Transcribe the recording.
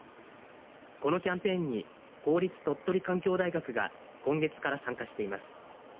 このキャンペーンに公立鳥取環境大学が今月から参加しています。